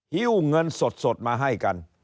หิ้วเงินสดมาให้กัน